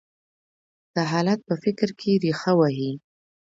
دا حالت په فکر کې رېښه وهي.